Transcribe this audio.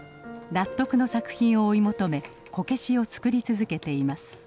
納得の作品を追い求めこけしを作り続けています。